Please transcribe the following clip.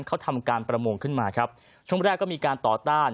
เขาทำการประมงขึ้นมาครับช่วงแรกก็มีการต่อต้าน